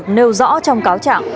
trong cáo trạng